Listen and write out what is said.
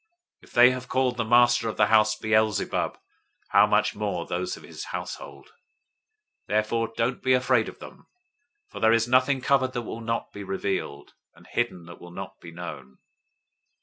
If they have called the master of the house Beelzebul, how much more those of his household! 010:026 Therefore don't be afraid of them, for there is nothing covered that will not be revealed; and hidden that will not be known.